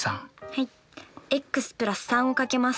はいｘ＋３をかけます。